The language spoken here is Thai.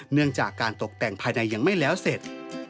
เนื่องจากการตกแต่งภายในยังไม่แล้วเสร็จ